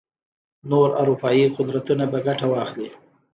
نور اروپايي قدرتونه به ګټه واخلي.